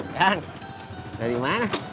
bang dari mana